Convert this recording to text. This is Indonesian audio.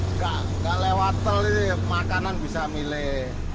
nggak lewat tol ini makanan bisa milih